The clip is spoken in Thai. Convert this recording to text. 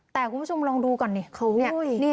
แต่คุณผู้ชมลองดูก่อนนี่